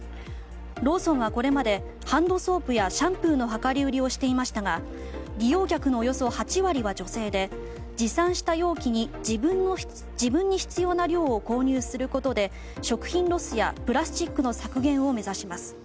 ローソンはこれまでハンドソープやシャンプーの量り売りをしていましたが利用客のおよそ８割は女性で持参した容器に自分に必要な量を購入することで食品ロスやプラスチックの削減を目指します。